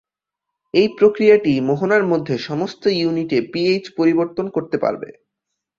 এ প্রক্রিয়াটি মোহনার মধ্যে সমস্ত ইউনিটে পিএইচ পরিবর্তন করতে পারবে।